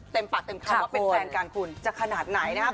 ปากเต็มคำว่าเป็นแฟนกันคุณจะขนาดไหนนะครับ